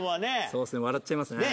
そうですね笑っちゃいますね。